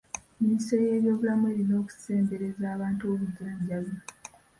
Minisitule y'ebyobulamu erina okusembereza abantu obujjanjabi.